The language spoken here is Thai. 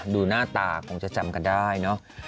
ดูหน้าตาคงจะจำกันได้เนอะ